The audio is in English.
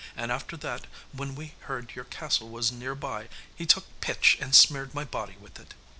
And after that, when we heard your castle was near by, he took pitch and smeared my body with it.